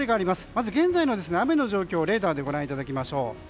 まず現在の雨の状況をレーダーでご覧いただきましょう。